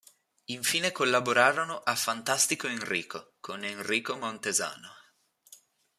Infine collaborano a "Fantastico Enrico" con Enrico Montesano.